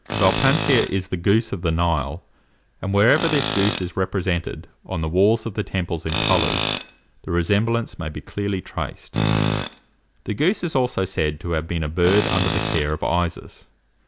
Vielpanser is the goose of the Nile, and wherever this goose is represented on the walls of the temples in colours, the resemblance may be clearly traced." The goose is also said to have been a bird under the care of Isis.